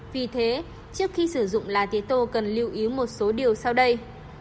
vì thế trước khi sử dụng lá tế tô cần lưu ý một số điều sau đây